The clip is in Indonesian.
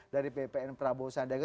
dari bpn prabowo sandega